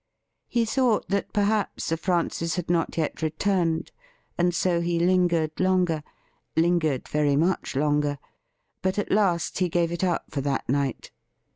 He thought that perhaps Sir Francis had not yet retmned, and so he lingered longer — ^lingered very much longer; but at last he gave it up for that night.